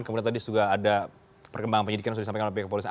kemudian tadi sudah ada perkembangan penyidikan sudah disampaikan oleh pihak kepolisian